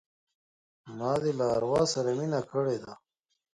ما دي له اروا سره مینه کړې ده